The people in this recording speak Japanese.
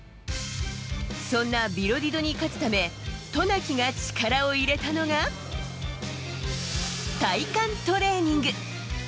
そんなビロディドに勝つため渡名喜が力を入れたのが体幹トレーニング。